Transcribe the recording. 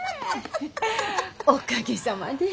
おかげさまで。